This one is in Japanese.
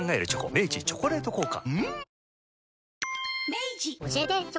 明治「チョコレート効果」